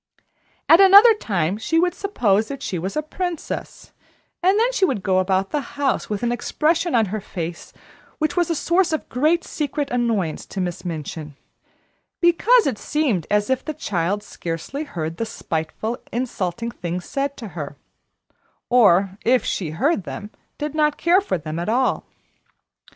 At another time she would "suppose" she was a princess, and then she would go about the house with an expression on her face which was a source of great secret annoyance to Miss Minchin, because it seemed as if the child scarcely heard the spiteful, insulting things said to her, or, if she heard them, did not care for them at all.